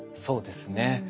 そうですね。